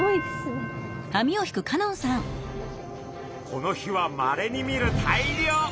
この日はまれに見る大漁！